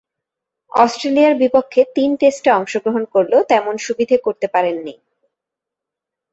অস্ট্রেলিয়ার বিপক্ষে তিন টেস্টে অংশগ্রহণ করলেও তেমন সুবিধে করতে পারেননি।